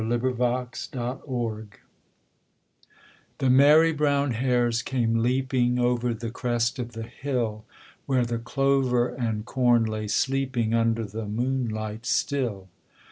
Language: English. THE BAD SQUIRE The merry brown hares came leaping Over the crest of the hill, Where the clover and corn lay sleeping Under the moonlight still.